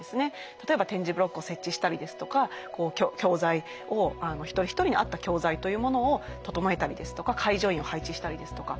例えば点字ブロックを設置したりですとか教材を一人一人に合った教材というものを調えたりですとか介助員を配置したりですとか。